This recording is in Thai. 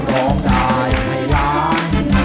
ร้องได้ให้ล้าน